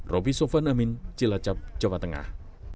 roby sofwan amin cilacap jawa tengah